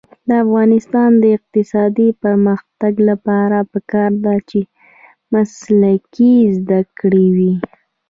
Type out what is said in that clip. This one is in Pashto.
د افغانستان د اقتصادي پرمختګ لپاره پکار ده چې مسلکي زده کړې وي.